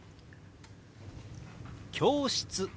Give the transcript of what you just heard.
「教室」。